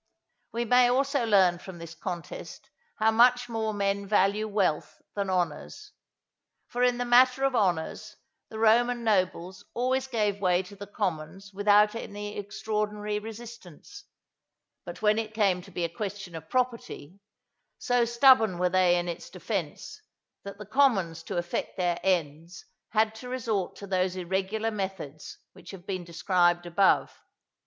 We may also learn from this contest how much more men value wealth than honours; for in the matter of honours, the Roman nobles always gave way to the commons without any extraordinary resistance; but when it came to be a question of property, so stubborn were they in its defence, that the commons to effect their ends had to resort to those irregular methods which have been described above.